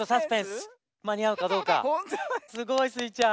すごいスイちゃん。